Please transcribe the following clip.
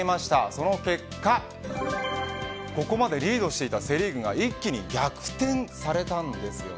その結果ここまでリードしていたセ・リーグが一気に逆転されたんです。